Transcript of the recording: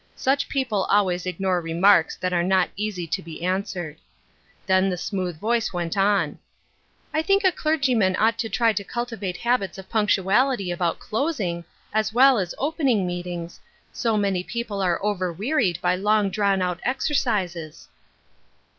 Such peo ple always ignore remarks that are not easy to be answered. Then the smooth voice went on :" I think a clergyman should try to cultivate habits of punctuality about closing^ as well as opening meetings, so many people are over wearied by long drawn out exercises."